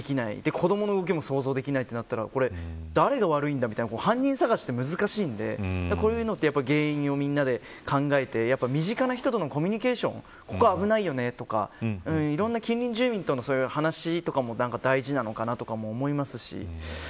子どもの動きも想像できないとなったら誰が悪いんだという犯人探しは難しいのでこういうのは原因をみんなで考えて身近な人とのコミュニケーションここ危ないよね、とか近隣住民との話とかも大事なのかなと思いますし。